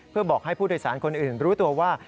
เพื่อบอกให้ผู้โดยสารคนอื่นรู้ตัวว่า